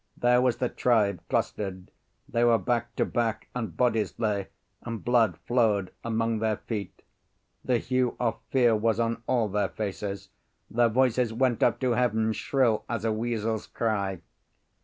There was the tribe clustered. They were back to back, and bodies lay, and blood flowed among their feet. The hue of fear was on all their faces; their voices went up to heaven shrill as a weasel's cry.